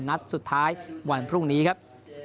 นัดสุดท้ายวันพรุ่งนี้ครับ